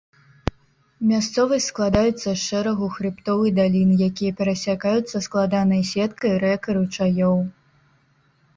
Мясцовасць складаецца з шэрагу хрыбтоў і далін, якія перасякаюцца складанай сеткай рэк і ручаёў.